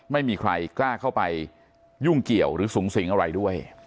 ไม่มีใครกล้าเข้าไปยุ่งเกี่ยวหรือสูงสิงอะไรด้วย